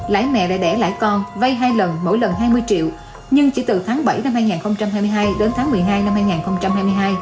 lãi mẹ đã để lãi con vay hai lần mỗi lần hai mươi triệu nhưng chỉ từ tháng bảy năm hai nghìn hai mươi hai đến tháng một mươi hai năm hai nghìn hai mươi hai